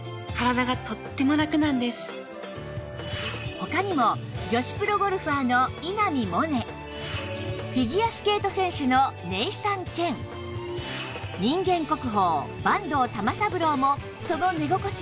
他にも女子プロゴルファーの稲見萌寧フィギュアスケート選手のネイサン・チェン人間国宝坂東玉三郎もその寝心地を絶賛